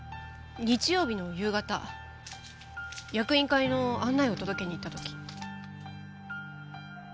日曜日の夕方役員会の案内を届けに行った時。